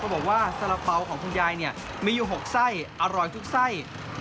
ก็บอกว่าสละเปาของคุณยายมีอยู่๖ไส้อร่อยทุกไส้